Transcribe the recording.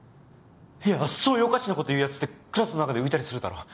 いやそういうおかしなこと言うやつってクラスの中で浮いたりするだろ。